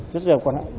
rất là quan hệ